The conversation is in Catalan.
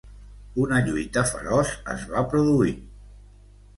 Una lluita feroç es va produir.